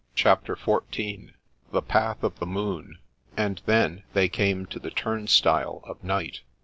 CHAPTER XIV (Cbe patb of tbe Aooti " And then they came to the turnstile of night.